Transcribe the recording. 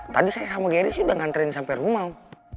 tadi saya sama geri sih udah nganterin sampai rumah